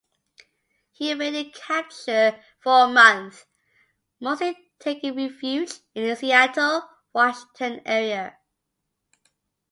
He evaded capture for a month, mostly taking refuge in the Seattle, Washington area.